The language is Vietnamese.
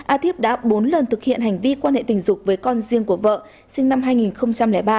a thiếp đã bốn lần thực hiện hành vi quan hệ tình dục với con riêng của vợ sinh năm hai nghìn ba